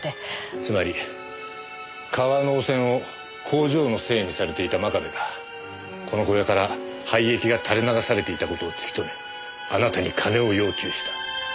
つまり川の汚染を工場のせいにされていた真壁がこの小屋から廃液が垂れ流されていた事を突き止めあなたに金を要求した。